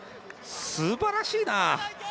すばらしいな。